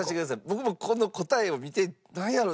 僕もこの答えを見てなんやろ？